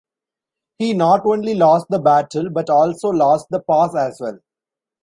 He not only lost the battle but also lost the pass as well.